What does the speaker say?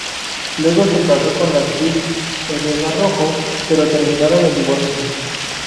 Luego se casó con la actriz Helena Rojo, pero terminaron en divorcio.